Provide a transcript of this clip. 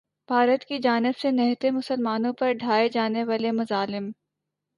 بھارت کی جانب سے نہتے مسلمانوں پر ڈھائے جانے والے مظالم